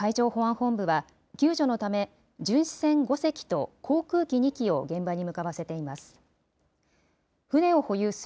第１管区海上保安本部は、救助のため、巡視船５隻と航空機２機を現場に向かわせています。